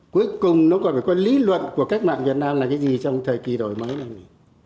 cuối cùng nó còn phải có lý luận của cách mạng việt nam là cái gì trong thời kỳ đổi mới làm gì